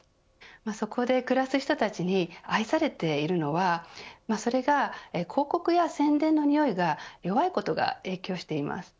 そこで暮らす人たちに愛されているのはそれが広告や宣伝のにおいが弱いことが影響しています。